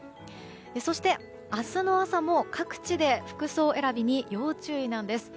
そして明日の朝も各地で服装選びに要注意なんです。